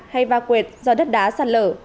hay va quyệt do đất đá sạt lở